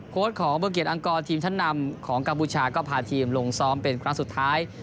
ของเบอร์เกียจอังกรทีมชั้นนำของกัมพูชาก็พาทีมลงซ้อมเป็นครั้งสุดท้าย